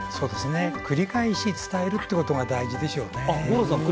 繰り返し伝えるってことが大切でしょうね。